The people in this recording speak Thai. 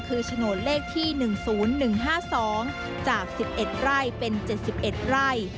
คือโฉนดเลขที่๑๐๑๕๒จาก๑๑ไร่เป็น๗๑ไร่